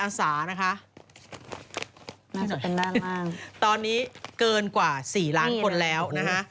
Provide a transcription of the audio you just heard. น่าจะเป็นด้านล่างตอนนี้เกินกว่า๔ล้านคนแล้วนะฮะ